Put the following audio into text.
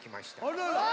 あらら。